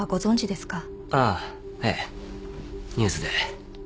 ああええニュースで。